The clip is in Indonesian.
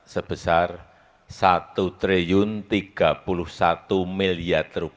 sebesar rp satu tiga ratus tiga puluh satu